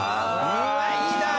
うわっいいなあ！